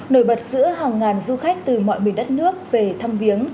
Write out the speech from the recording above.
nổi bật giữa hàng ngàn du khách từ mọi miền đất nước về thăm viếng